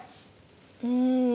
うん。